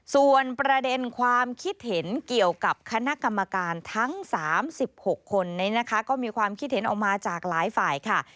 ส่วนประเด็นความคิดเห็นเกี่ยวกับคณะกรรมการทั้ง๓๖คนนี้นะคะก็มีความคิดเห็นออกมาจากหลายฝ่ายค่ะ